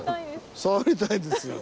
触りたいですよ。